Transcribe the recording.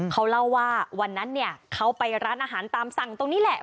เขาเล่าว่าวันนั้นเนี่ยเขาไปร้านอาหารตามสั่งตรงนี้แหละ